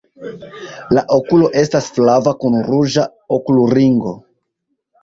La okulo estas flava kun ruĝa okulringo.